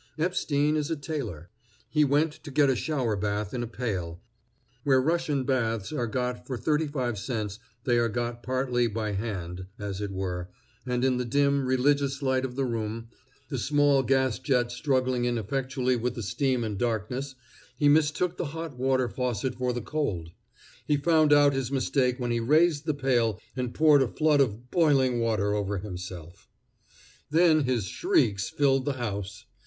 Epstein is a tailor. He went to get a shower bath in a pail, where Russian baths are got for thirty five cents they are got partly by hand, as it were, and in the dim, religious light of the room, the small gas jet struggling ineffectually with the steam and darkness, he mistook the hot water faucet for the cold. He found out his mistake when he raised the pail and poured a flood of boiling water over himself. Then his shrieks filled the house.